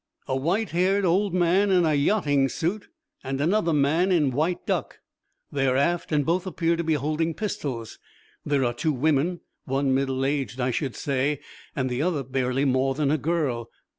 "A white haired old man, in a yachting suit, and another man in white duck. They are aft, and both appear to be holding pistols. There are two women, one middle aged, I should say, and the other barely more than a girl.